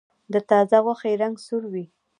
د تازه غوښې رنګ سور وي.